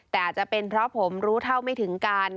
แต่อาจจะเป็นเพราะผมรู้เท่าไม่ถึงการ